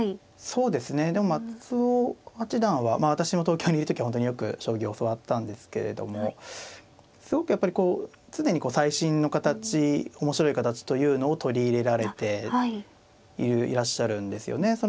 そうですねでも松尾八段はまあ私も東京にいる時は本当によく将棋教わったんですけれどもすごくやっぱりこう常に最新の形面白い形というのを取り入れられていらっしゃるんですよね。